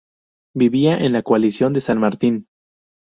Vivía en la collación de San Martín.